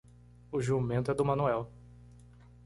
O jumento é do Manuel.